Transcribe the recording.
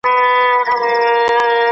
¬ غوا ئې و غيه، چي غړکه ئې مرداره سي.